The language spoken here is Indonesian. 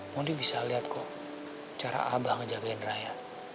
mondi bisa lihat kok cara abah ngejamin raya